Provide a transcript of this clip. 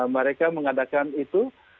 mereka mengadakan itu